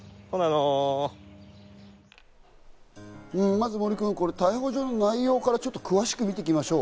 まず森君、逮捕状の内容からちょっと詳しく見ていきましょう。